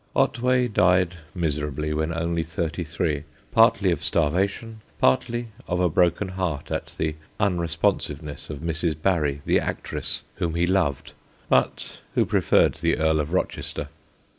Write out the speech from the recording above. Otway died miserably when only thirty three, partly of starvation, partly of a broken heart at the unresponsiveness of Mrs. Barry, the actress, whom he loved, but who preferred the Earl of Rochester.